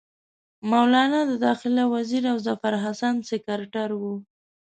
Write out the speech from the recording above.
مولنا د داخله وزیر او ظفرحسن سکرټر وو.